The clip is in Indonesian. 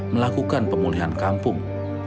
melakukan pemulihan kampung